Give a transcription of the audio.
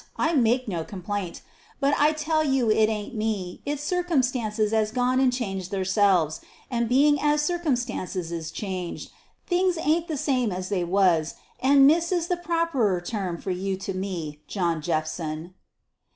I make no complaint, but I tell you it ain't me, it's circumstances as is gone and changed theirselves, and bein' as circumstances is changed, things ain't the same as they was, and Miss is the properer term from you to me, John Jephson."